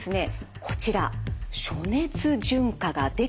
こちら暑熱順化ができていないためです。